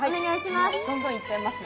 どんどん行っちゃいますね。